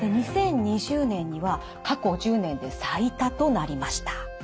で２０２０年には過去１０年で最多となりました。